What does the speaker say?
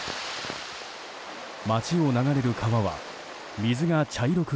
町を流れる川は水が茶色く